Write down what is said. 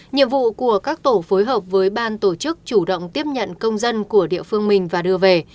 nhiệm vụ của các tổ phối hợp với ban tổ chức chủ động tiếp nhận công dân của địa phương mình và đưa về